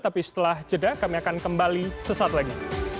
tapi setelah jeda kami akan kembali sesaat lagi